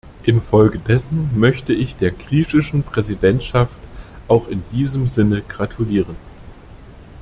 Infolgedessen möchte ich der griechischen Präsidentschaft auch in diesem Sinne gratulieren.